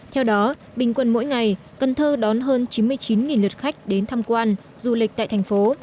theo đó bình quân mỗi ngày cần thơ đón hơn chín mươi chín lượt khách đến tham quan du lịch tại thành phố